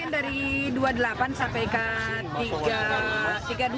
dari dua puluh delapan sampai ke tiga